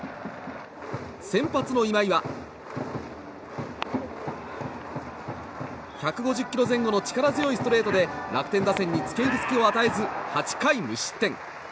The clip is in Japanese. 先発の今井は１５０キロ前後の力強いストレートで楽天打線につけ入る隙を与えず８回無失点。